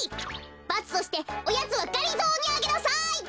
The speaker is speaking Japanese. バツとしておやつはがりぞーにあげなさい！